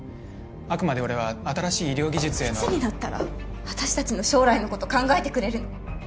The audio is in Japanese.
あくまで俺は新しい医療技術へのいつになったら私たちの将来のこと考えてくれるの？